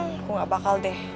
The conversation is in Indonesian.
aku gak bakal deh